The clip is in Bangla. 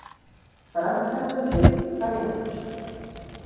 তারা ভাবছে আমরা দোষী, তাই আমরা দোষী।